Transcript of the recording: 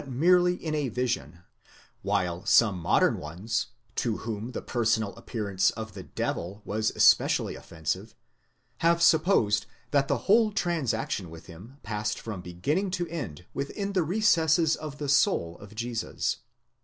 modern ones, to whom the personal appearance of the devil was especially offensive, have supposed that the whole transaction with him passed from 'beginning to end within the recesses of the soul of Jesus.